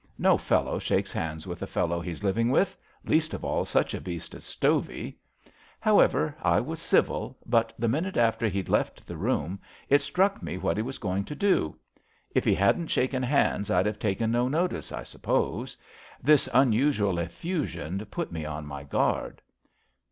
No fellow shakes hands with a fellow he's living with — ^least of all such a beast as Stovey. However, I was civil, but the minute after he'd left the room it struck me what he was going to do. If he hadn't shaken hands I'd have taken no notice, I suppose. This un usual effusion put me on my guard."